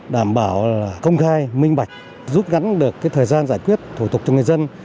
đảm bảo là công khai minh bạch giúp gắn được thời gian giải quyết thủ tục cho người dân